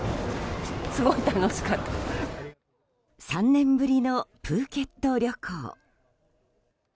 ３年ぶりのプーケット旅行。